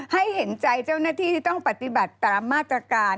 เห็นใจเจ้าหน้าที่ที่ต้องปฏิบัติตามมาตรการ